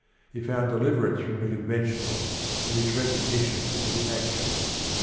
He found de liverance from the conventional in his recogni tion of the actual.